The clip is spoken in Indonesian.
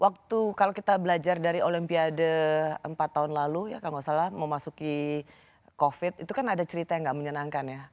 waktu kalau kita belajar dari olimpiade empat tahun lalu ya kalau nggak salah memasuki covid itu kan ada cerita yang gak menyenangkan ya